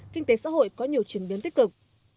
kinh tế xã hội có nhiều chuyển biến tích cực